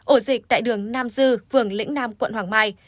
ổ dịch tại đường nam dư phường lĩnh nam quận hoàng mai